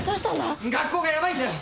学校がヤバいんだよ！